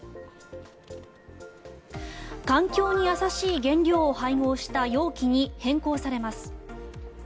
環境に優しい原料を配合した容器に変更されます。